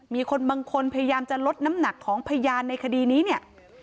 มีคนบางคนพยายามจะลดน้ำหนักของพยานในคดีนี้เนี่ย